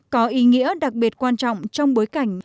có ý nghĩa đặc biệt quan trọng trong bối cảnh